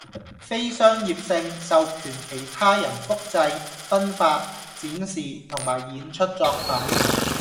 非商業性，授權其他人複製，分發，展示同埋演出作品